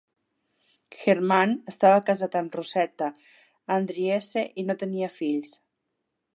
Herman estava casat amb Rosetta Andriesse i no tenia fills.